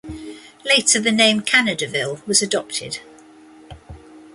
Later the name Canadaville was adopted.